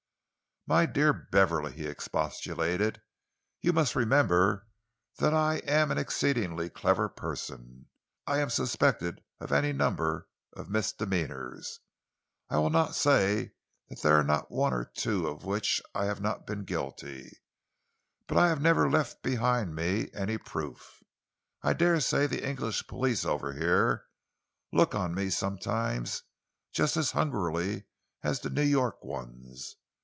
"My dear Beverley," he expostulated, "you must remember that I am an exceedingly clever person. I am suspected of any number of misdemeanours. I will not say that there are not one or two of which I have not been guilty, but I have never left behind me any proof. I dare say the English police over here look on me sometimes just as hungrily as the New York ones.